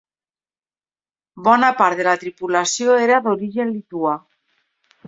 Bona part de la tripulació era d'origen lituà.